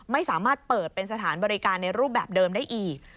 ไม่สามารถเปิดเป็นสถานบริการในรูปแบบเดิมได้อีก